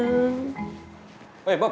bang malam ah kommot